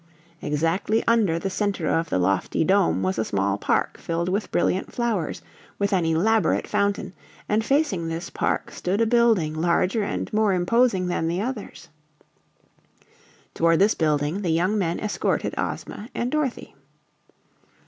Exactly under the center of the lofty dome was a small park filled with brilliant flowers, with an elaborate fountain, and facing this park stood a building larger and more imposing than the others. Toward this building the young men escorted Ozma and Dorothy.